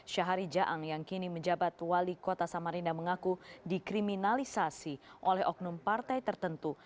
syahari jaang yang kini menjabat wali kota samarinda mengaku dikriminalisasi oleh oknum partai tertentu